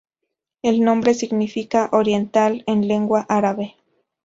El nombre significa "Oriental" en lengua árabe.